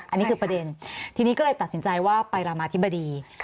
อันนี้คือประเด็นทีนี้ก็เลยตัดสินใจว่าไปรามาธิบดี